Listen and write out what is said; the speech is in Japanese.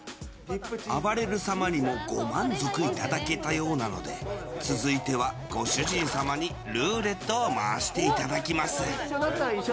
あばれる様にもご満足いただけたようなので続いてはご主人様にルーレットを回していただきます。